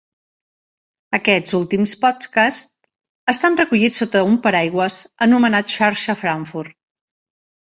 Aquests últims podcasts estan recollits sota un paraigües anomenat "Xarxa frankfurt".